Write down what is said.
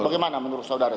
bagaimana menurut saudara